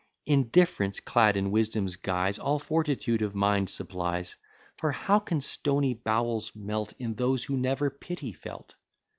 Indifference, clad in Wisdom's guise, All fortitude of mind supplies: For how can stony bowels melt In those who never pity felt!